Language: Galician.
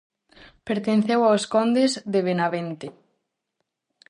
Pertenceu aos condes de Benavente.